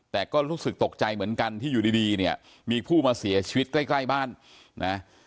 แต่ก็รู้สึกตกใจเหมือนกันที่อยู่ดีเนี่ยมีผู้มาเสียชีวิตใกล้ใกล้บ้านนะ